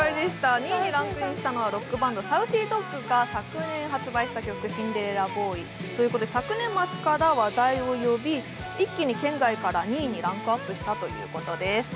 ２位にランクインしたのはロックバンドＳａｕｃｙＤｏｇが昨年発売した曲、「シンデレラボーイ」ということで、昨年末から話題を呼び一気に圏外から２位にランクアップしたということです。